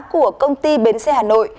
của công ty bến xe hà nội